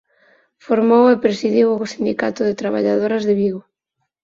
Formou e presidiu o sindicato de traballadoras de Vigo.